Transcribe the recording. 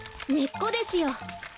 ねっこですよ。